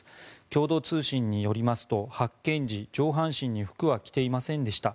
共同通信によりますと発見時、上半身に服は着ていませんでした。